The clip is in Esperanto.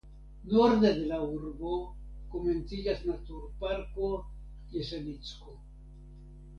Norde de la urbo komenciĝas naturparko Jesenicko.